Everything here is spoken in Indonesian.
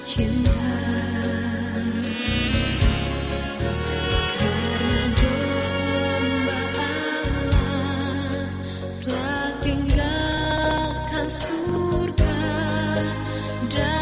hingga aku tiba di surga